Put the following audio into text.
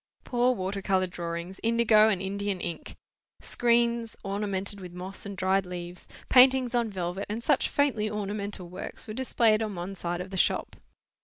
Poor water colour drawings, indigo and Indian ink; screens, ornamented with moss and dried leaves; paintings on velvet, and such faintly ornamental works were displayed on one side of the shop.